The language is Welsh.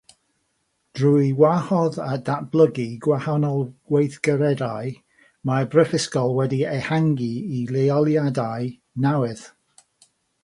Drwy wahodd a datblygu gwahanol weithgareddau, mae'r Brifysgol wedi ehangu i leoliadau newydd.